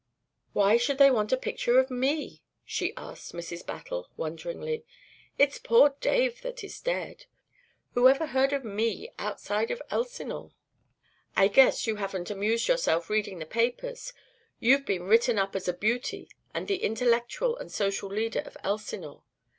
"Why should they want a picture of me?" she asked Mrs. Battle, wonderingly. "It's poor Dave that is dead. Whoever heard of me outside of Elsinore?" "I guess you haven't amused yourself reading the papers. You've been written up as a beauty and the intellectual and social leader of Elsinore.